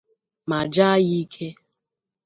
ma jaa ya ike